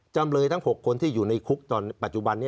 จำเลยทั้ง๖คนที่อยู่ในคุกตอนปัจจุบันนี้